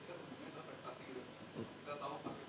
indonesia kembali ganteng